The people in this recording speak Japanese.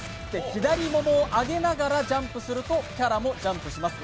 左ももを上げながらジャンプするとキャラもジャンプします。